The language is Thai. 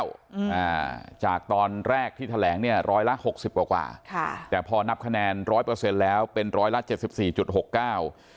อ่าจากตอนแรกที่แถลงเนี่ยร้อยละหกสิบกว่ากว่าค่ะแต่พอนับคะแนนร้อยเปอร์เซ็นต์แล้วเป็นร้อยละเจ็ดสิบสี่จุดหกเก้า